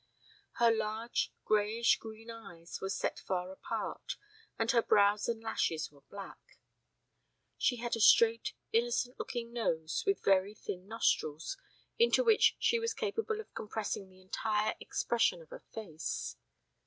Her large grayish green eyes were set far apart and her brows and lashes were black. She had a straight innocent looking nose with very thin nostrils, into which she was capable of compressing the entire expression of a face.